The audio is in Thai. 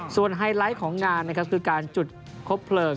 ไฮไลท์ของงานนะครับคือการจุดคบเพลิง